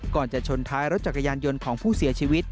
ก่อนจะชนท้ายรถจักรยานยนต์ของผู้เสียชีวิต